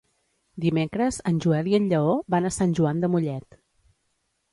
Dimecres en Joel i en Lleó van a Sant Joan de Mollet.